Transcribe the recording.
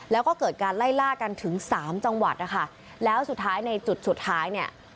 แล้วก็เกิดการไล่ล่ากันถึงสามจังหวัดนะคะแล้วสุดท้ายในจุดสุดท้ายเนี่ย